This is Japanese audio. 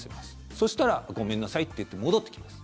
そしたら、ごめんなさいといって戻ってきます。